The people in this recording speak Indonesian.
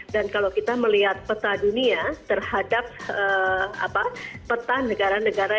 dan kalau kita melihat peta dunia terhadap peta negara negara